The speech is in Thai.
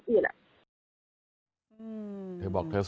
แค่บอกแค่ส่งเรื่องนี้นะครับ